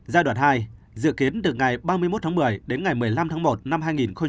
giai đoạn hai dự kiến từ ngày ba mươi một tháng một mươi đến ngày một mươi năm tháng một năm hai nghìn hai mươi